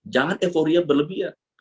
jangan euforia berlebihan